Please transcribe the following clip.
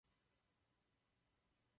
Mívají i bílý pruh na zádech.